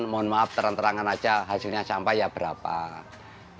mohon maaf terang terangan saja hasilnya sampah ya pun